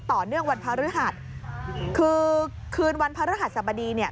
ต่อเนื่องวันพระฤหัสคือคืนวันพระรหัสสบดีเนี่ย